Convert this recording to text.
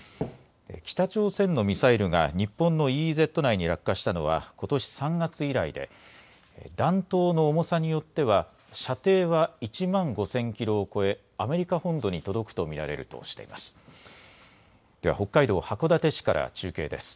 北朝鮮のミサイルが日本のＥＥＺ内に落下したのはことし３月以来で弾頭の重さによっては射程は１万５０００キロを超えアメリカ本土に届くと見られるとしています。